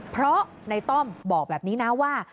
เพราะในต้อมบอกแบบนี้นะว่า